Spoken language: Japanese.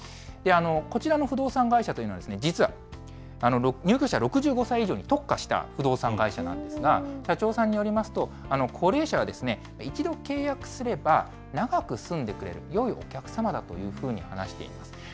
こちらの不動産会社というのは、実は、入居者６５歳以上に特化した不動産会社なんですが、社長さんによりますと、高齢者は、一度契約すれば、長く住んでくれるよいお客様だというふうに話しています。